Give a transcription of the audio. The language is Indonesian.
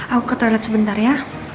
aku ke toilet sebentar ya